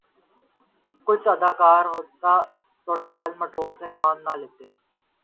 کچھ ادراک ہوتا تو ٹال مٹول سے کام نہ لیتے۔